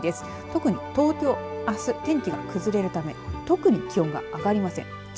特に東京あす天気が崩れるため特に気温が上がりません。